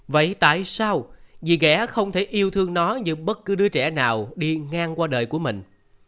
vậy tại sao chị ghẽ không thể yêu thương nó như bất cứ đứa trẻ nào đi ngang qua đời của mình